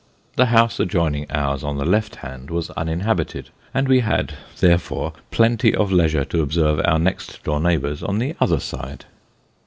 The house adjoining ours on the left hand was uninhabited, and we had, therefore, plenty of leisure to observe our next door neighbours on the other side.